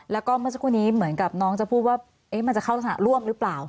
แล้วก็เมื่อสักครู่นี้เหมือนกับน้องจะพูดว่ามันจะเข้ารักษณะร่วมหรือเปล่า